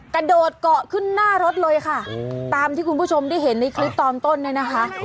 กระโดดเกาะขึ้นหน้ารถเลยค่ะตามที่คุณผู้ชมได้เห็นในคลิปตอนต้นเนี่ยนะคะ